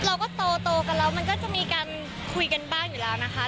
เราก็โตกันแล้วมันก็จะมีการคุยกันบ้างอยู่แล้วนะคะ